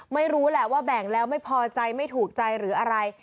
ไม่รู้แหละว่าแบ่งแล้วไม่พอใจไม่ถูกใจหรืออะไร